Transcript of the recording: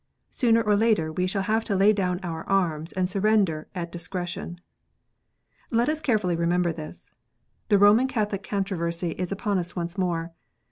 Sooner or later we shall have to lay down our arms, and surrender at discretion. Let us carefully remember this. The Roman Catholic con troversy is upon us once more.